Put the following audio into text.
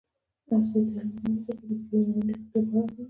عصري تعلیم مهم دی ځکه چې د رواني روغتیا په اړه ښيي.